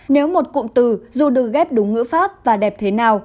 nếu một cụm từ dù được ghép đúng ngữ pháp và đẹp thế nào